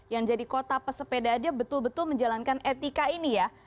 yang jadi kota pesepeda aja betul betul menjalankan etika ini ya